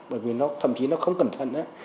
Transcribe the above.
bởi vì thậm chí nó không cẩn thận